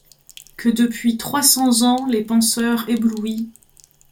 Que depuis trois cents ans les penseurs éblouis